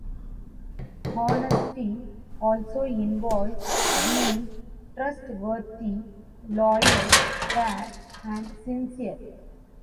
Honesty also involves being trustworthy, loyal, fair, and sincere.